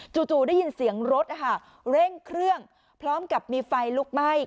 จู่ได้ยินเสียงรถเร่งเครื่องพร้อมกับมีไฟลุกไหม้